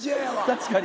確かに。